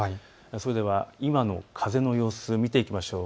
それでは今の風の様子、見ていきましょう。